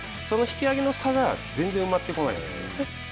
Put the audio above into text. その引き上げの差が全然埋まってこないんですね。